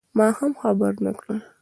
ما هم خبر نه کړ.